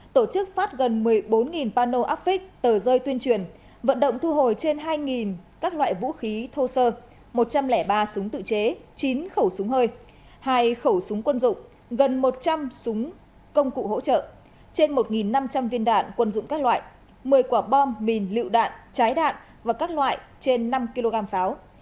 tổ chức phát gần một mươi bốn panel affix tờ rơi tuyên truyền vận động thu hồi trên hai các loại vũ khí thô sơ một trăm linh ba súng tự chế chín khẩu súng hơi hai khẩu súng quân dụng gần một trăm linh súng công cụ hỗ trợ trên một năm trăm linh viên đạn quân dụng các loại một mươi quả bom mìn lựu đạn trái đạn và các loại trên năm kg pháo